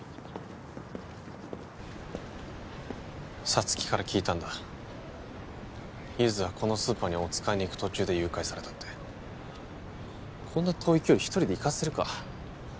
沙月から聞いたんだゆづはこのスーパーにおつかいに行く途中で誘拐されたってこんな遠い距離一人で行かせるか？